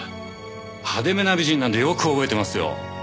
派手めな美人なんでよく覚えてますよ。